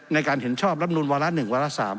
๒๐ในการเห็นชอบลำนุนว๑ว๓